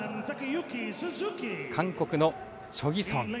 韓国のチョギソン。